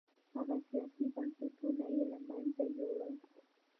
هغه سیاسي بنسټونه یې له منځه یووړل